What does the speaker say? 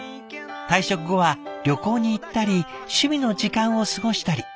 退職後は旅行に行ったり趣味の時間を過ごしたり。